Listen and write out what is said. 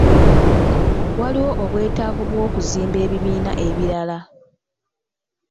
Waliwo obwetaavu bw'okuzimba ebibiina ebirala.